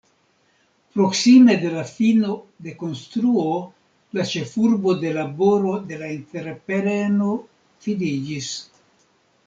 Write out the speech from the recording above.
Proksime de la fino de konstruo, la ĉefurbo de laboro de la entrepreno finiĝis.